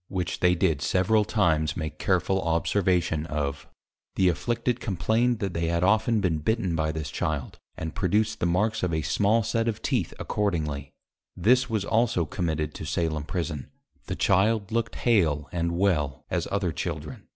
Which they did several times make careful Observation of: The afflicted complained, they had often been Bitten by this Child, and produced the marks of a small set of teeth accordingly; this was also committed to Salem Prison, the Child looked hail, and well as other Children.